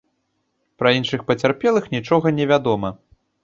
Пра іншых пацярпелых нічога не вядома.